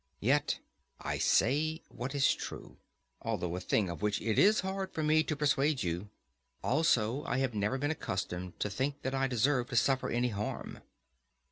Yet I say what is true, although a thing of which it is hard for me to persuade you. Also, I have never been accustomed to think that I deserve to suffer any harm.